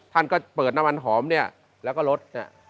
ท่านก็เปิดน้ำมันหอมเนี่ยแล้วก็ลด